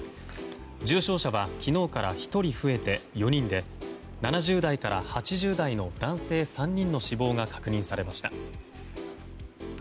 重症者は昨日から１人増えて４人で７０代から８０代の男性３人の死亡が確認されました。